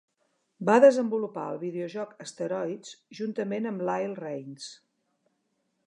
Va desenvolupar el videojoc "Asteroids" juntament amb Lyle Rains.